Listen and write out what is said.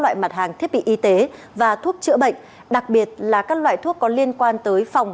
loại mặt hàng thiết bị y tế và thuốc chữa bệnh đặc biệt là các loại thuốc có liên quan tới phòng